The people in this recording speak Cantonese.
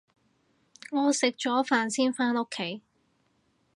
我食咗飯先返屋企